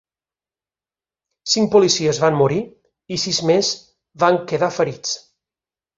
Cinc policies van morir i sis més van quedar ferits.